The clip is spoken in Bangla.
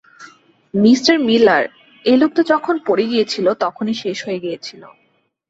মিস্টার মিলার, এই লোকটা যখন পড়ে গিয়েছিল, তখনই শেষ হয়ে গিয়েছিল।